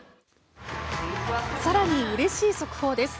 更に、うれしい速報です。